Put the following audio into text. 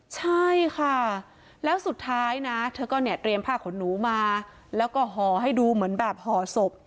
ใช่ค่ะแล้วสุดท้ายนะเธอก็เนี่ยเตรียมผ้าขนหนูมาแล้วก็ห่อให้ดูเหมือนแบบห่อศพ